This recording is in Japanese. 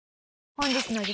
本日の激